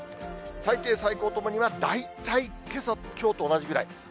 最低、最高ともに、大体けさ、きょうと同じくらい。